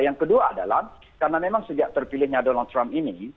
yang kedua adalah karena memang sejak terpilihnya donald trump ini